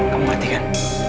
kamu ngerti kan